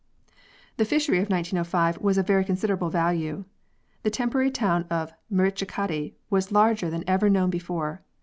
This fishery of 1905 was of very considerable value. The temporary town of Marichchikkaddi was larger than ever known before.